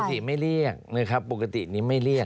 ปกติไม่เรียกปกตินี้ไม่เรียก